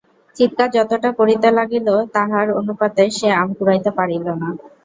চিৎকার যতটা করিতে লাগিল তাহার অনুপাতে সে আম কুড়াইতে পারিল না।